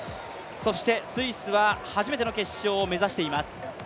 そしてスイスは初めての決勝を目指しています。